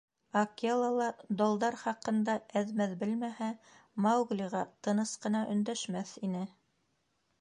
Акела ла, долдар хаҡында әҙ-мәҙ белмәһә, Мауглиға тыныс ҡына өндәшмәҫ ине.